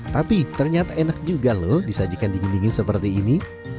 tapi ternyata enak juga loh disajikan dingin dingin seperti ini